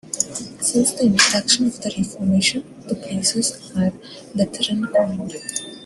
Since the introduction of the Reformation, the places are Lutheran coined.